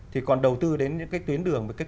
thì còn đầu tư đến những cái tuyến đường